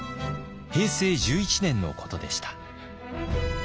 平成１１年のことでした。